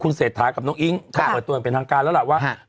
คุณเศรษฐากับน้องอิ๊งครับเขาเปิดตัวเป็นทางการแล้วแหละว่าครับ